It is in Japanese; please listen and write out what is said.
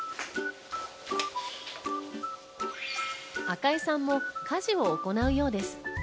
赤井さんも家事を行うようです。